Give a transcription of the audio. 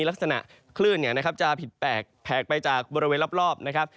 ลักษณะคลื่นเนี่ยนะครับจะผิดแปลกแผกไปจากบริเวณรอบนะครับ